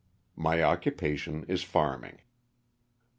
My occupation is farming.